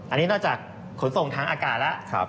อันนี้นอกจากขนส่งทางอากาศแล้ว